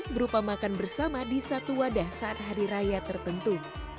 berupa makan bersama di satu wadah saat hari raya tertentu